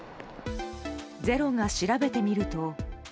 「ｚｅｒｏ」が調べてみると。